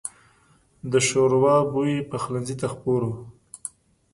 د شوربه بوی پخلنځي ته خپور و.